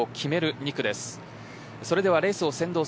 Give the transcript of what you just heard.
２区です。